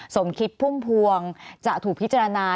สมคิดพุ่มพวงจะถูกพิจารณา